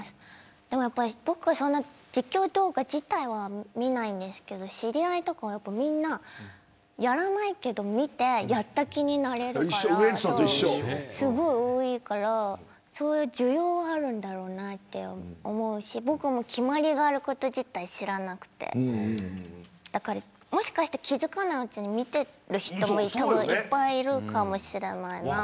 でも僕、実況動画自体はそんなに見ないですけど知り合いとかはやらないけど見てやった気になれるからというのがすごい多いからそういう需要があるんだろうなって思うし僕も決まりがあること自体知らなくてもしかしたら気付かないうちに見ている人もいっぱいいるかもしれない。